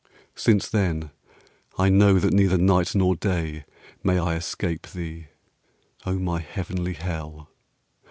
Since then I know that neither night nor day May I escape thee, O my heavenly hell!